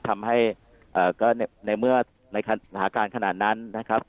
ทำให้เอ่อก็ในเมื่อในฐาคารขนาดนั้นนะครับ